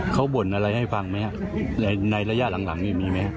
เขาบ่นอะไรให้ฟังไหมครับในระยะหลังนี่มีไหม